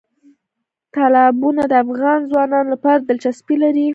تالابونه د افغان ځوانانو لپاره دلچسپي لري.